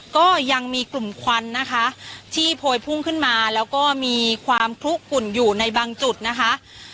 ก็ยังมีกลุ่มควันนะคะที่โพยพุ่งขึ้นมาแล้วก็มีความคลุกลุ่นอยู่ในบางจุดนะคะ